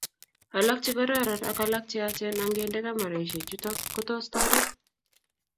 Alak che kororoon ak alak che yachen angende kameraisyechutok ko tos toret